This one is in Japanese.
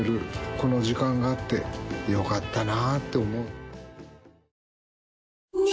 この時間があってよかったなーって思う。